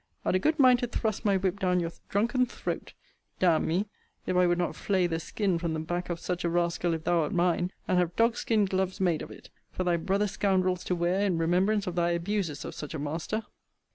I'd a good mind to thrust my whip down your drunken throat: d n me, if I would not flay the skin from the back of such a rascal, if thou wert mine, and have dog's skin gloves made of it, for thy brother scoundrels to wear in remembrance of thy abuses of such a master.